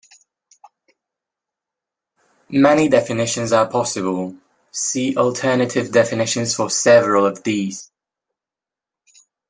Many definitions are possible; see Alternative definitions for several of these.